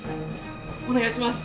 お願いします！